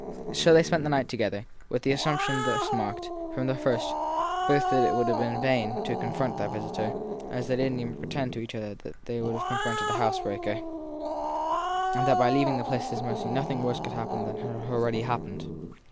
So they spent the night together; with the assumption thus marked, from the first, both that it would have been vain to confront their visitor as they didn t even pretend to each other THE TRIED PERSON 251 that they would have confronted a housebreaker; and that by leaving the place at his mercy nothing worse could happen than had already happened.